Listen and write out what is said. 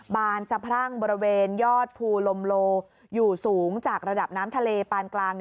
บานสะพรั่งบริเวณยอดภูลมโลอยู่สูงจากระดับน้ำทะเลปานกลาง